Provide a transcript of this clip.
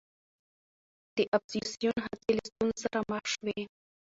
د اپوزېسیون هڅې له ستونزو سره مخ شوې.